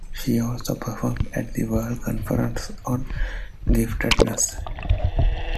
She also performed at the World Conference on Giftedness.